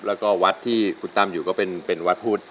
แล้วก็วัดที่คุณตั้มอยู่ก็เป็นวัดพุทธ